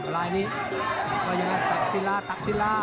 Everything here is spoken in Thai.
ลายนี้ตักศิลาตักศิลา